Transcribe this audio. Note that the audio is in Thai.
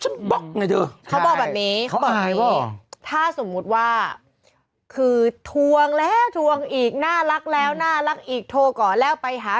จะถ้าสมมติว่าคือทวงแล้วทวงอีกน่ารักแล้วน่ารักอีกโทรควรแล้วไปหา